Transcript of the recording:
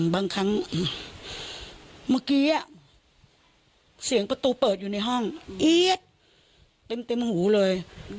บางครั้งเมื่อกี้เสียงประตูเปิดอยู่ในห้องเอี๊ยดเต็มหูเลย